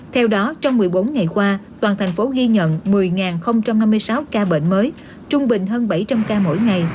theo đó trong một mươi bốn ngày qua toàn thành phố ghi nhận một mươi năm mươi sáu ca bệnh mới trung bình hơn bảy trăm linh ca mỗi ngày